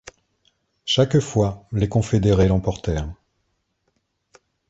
Chaque fois, les Confédérés l'emportèrent.